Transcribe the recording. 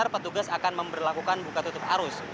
petugas akan memperlakukan buka tutup arus